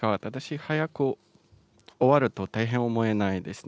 早く終わると大変思えないですね。